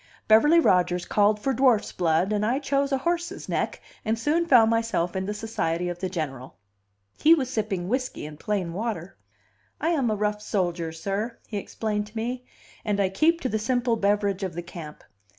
Beverly Rodgers called for dwarf's blood, and I chose a horse's neck, and soon found myself in the society of the General. He was sipping whiskey and plain water. "I am a rough soldiers sir," he explained to me, "and I keep to the simple beverage of the camp.